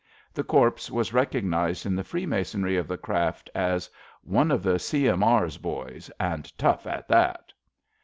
The Corpse was recognised in the freemasonry of the craft as one of the C.M.E.'s boys, and tough at that."